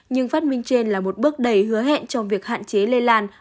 nhưng phát minh trên là một bước đầy hứa hẹn trong việc hạn chế lây lan